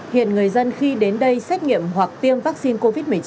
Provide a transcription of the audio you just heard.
hiện người dân khi đến đây xét nghiệm hoặc tiêm vaccine covid một mươi chín